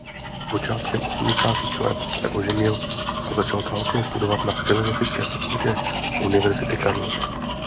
Počátkem osmdesátých let se oženil a začal dálkově studovat na Filozofické fakultě Univerzity Karlovy.